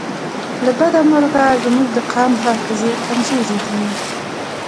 له بده مرغه زموږ د قام حافظې کمزورې دي